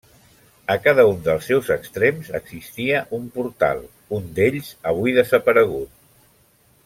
A cada un dels seus extrems existia un portal, un d'ells avui desaparegut.